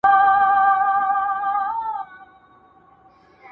سپوږمۍ وه لا ولاړه